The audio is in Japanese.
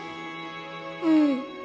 うん。